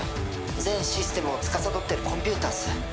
「全システムをつかさどってるコンピュータっす」